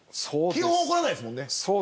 基本怒らないですもんね。